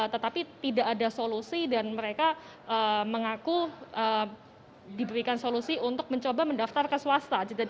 tetapi tidak ada solusi dan mereka mengaku diberikan solusi untuk mencoba mendaftar ke swasta